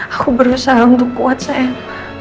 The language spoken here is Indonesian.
aku berusaha untuk kuat saya